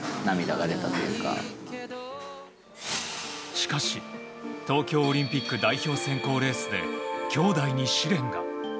しかし、東京オリンピック代表選考レースで兄弟に試練が。